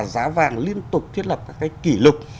giá vàng liên tục thiết lập các cái kỷ lục